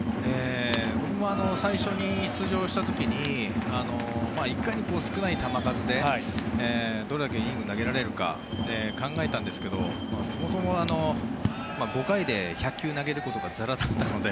僕も最初に出場した時にいかに少ない球数でどれだけのイニングを投げられるか考えたんですがそもそも５回で１００球投げることがざらだったので。